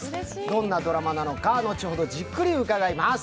どんなドラマなのか、後ほどじっくり伺います。